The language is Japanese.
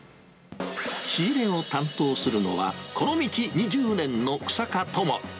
仕入れを担当するのは、この道２０年の日下智。